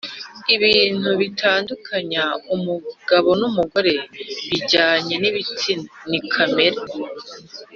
ibintu bitandukanya umugabo n’umugore bijyanye n’ibitsina, ni kamere